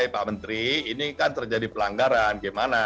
pak menteri ini kan terjadi pelanggaran gimana